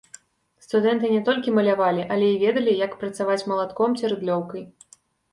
Студэнты не толькі малявалі, але і ведалі, як працаваць малатком ці рыдлёўкай.